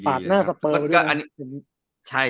ปากหน้ากระเป๋าด้วย